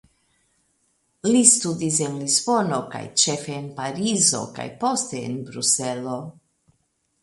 Li studis en Lisbono kaj ĉefe en Parizo kaj poste en Bruselo.